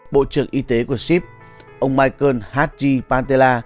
bộ trưởng y tế của sip ông michael h g pantela